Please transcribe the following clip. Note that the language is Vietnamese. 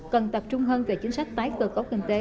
cần tập trung hơn về chính sách tái cơ cấu kinh tế